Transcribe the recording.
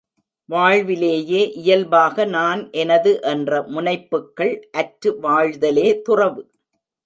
வாழ்விலேயே இயல்பாக நான் எனது என்ற முனைப்புக்கள் அற்று வாழ்தலே துறவு.